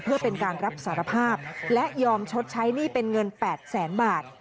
เพื่อเป็นการรับสารภาพและยอมชดใช้หนี้เป็นเงิน๘แสนบาท